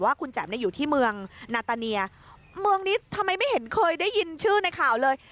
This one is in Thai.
ว่าคุณแจ๋มเนี่ยอยู่ที่เมืองนาตาเนียเมืองนี้ทำไมไม่เห็นเคยได้ยินชื่อในข่าวเลย